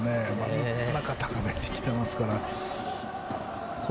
腰高めにきていますから。